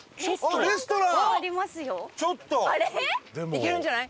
行けるんじゃない！？